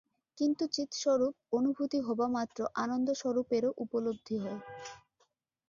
কিন্তু চিৎস্বরূপ অনুভূতি হবামাত্র আনন্দস্বরূপেরও উপলব্ধি হয়।